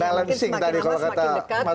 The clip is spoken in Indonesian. mungkin semakin lama semakin dekat